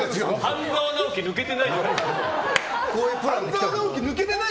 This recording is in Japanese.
「半沢直樹」抜けてない。